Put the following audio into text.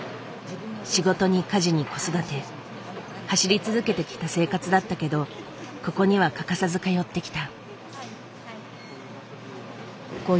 仕事に家事に子育て走り続けてきた生活だったけどここには欠かさず通ってきた。